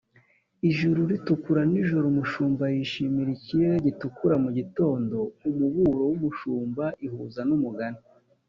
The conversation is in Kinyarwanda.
ijuru ritukura nijoro umushumba yishimira; ikirere gitukura mugitondo, umuburo wumushumba ihuza numugani